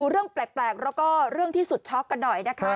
เรื่องแปลกแล้วก็เรื่องที่สุดช็อกกันหน่อยนะคะ